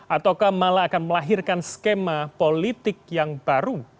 ataukah malah akan melahirkan skema politik yang baru